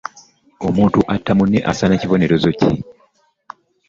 Omuntu atta munne asaana kibonerezo ki?